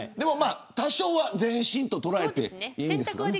多少は前進と捉えていいんですかね。